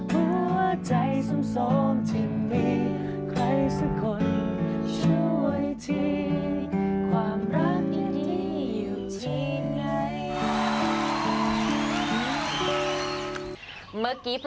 หัวใจสมที่มี